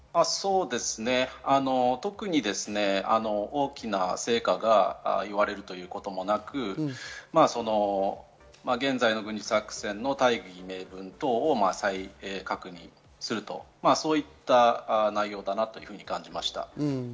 特に大きな成果が言われるということもなく、現在の軍事作戦の大義名分等を再確認する、そういった内容だなというふうに感じました。